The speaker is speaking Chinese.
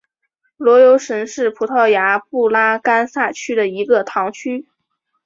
罗尤什是葡萄牙布拉干萨区的一个堂区。